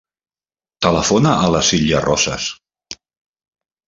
Telefona a la Silya Rosas.